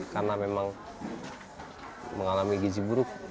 karena memang mengalami gizi buruk